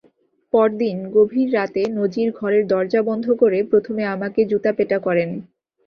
পরদিন গভীর রাতে নজির ঘরের দরজা বন্ধ করে প্রথমে আমাকে জুতাপেটা করেন।